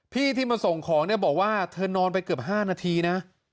ที่ที่มาส่งของเนี่ยบอกว่าเธอนอนไปเกือบ๕นาทีนะ